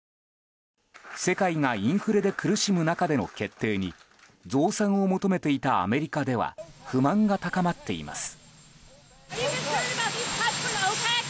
世界がインフレで苦しむ中での決定に増産を求めていたアメリカでは不満が高まっています。